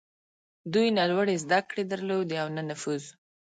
دوی نه لوړې زدهکړې درلودې او نه نفوذ.